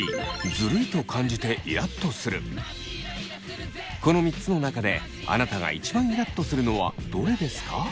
この３つの中であなたが一番イラっとするのはどれですか？